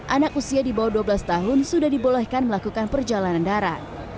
anak usia di bawah dua belas tahun sudah dibolehkan melakukan perjalanan darat